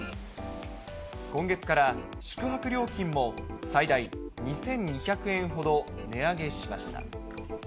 今月から宿泊料金も最大２２００円ほど値上げしました。